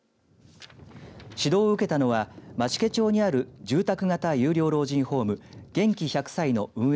指導を受けたのは増毛町にある住宅型有料法人ホーム元気１００才！の運営